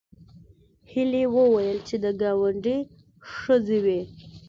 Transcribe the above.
هیلې وویل چې د ګاونډي ښځې وې